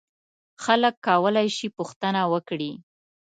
خلک کولای شي پوښتنه وکړي.